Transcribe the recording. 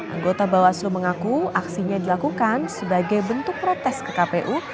anggota bawaslu mengaku aksinya dilakukan sebagai bentuk protes ke kpu